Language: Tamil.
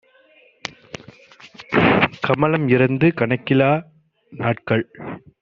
"கமலம் இறந்து கணக்கிலா நாட்கள்